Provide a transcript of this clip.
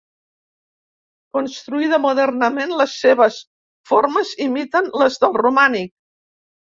Construïda modernament, les seves formes imiten les del romànic.